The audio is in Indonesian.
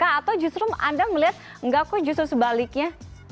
atau justru anda melihat enggak kok justru sebaliknya